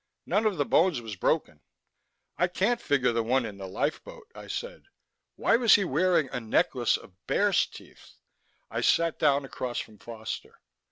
None of the bones was broken." "I can't figure the one in the lifeboat," I said. "Why was he wearing a necklace of bear's teeth?" I sat down across from Foster.